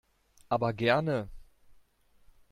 Aber gerne!